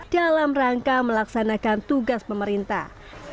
dalam rangka melaksanakan tugas pemerintah